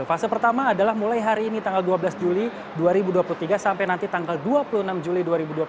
fase pertama adalah mulai hari ini tanggal dua belas juli dua ribu dua puluh tiga sampai nanti tanggal dua puluh enam juli dua ribu dua puluh